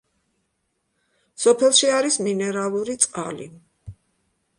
სოფელში არის მინერალური წყალი.